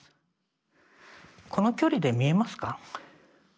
この距離で見えますか？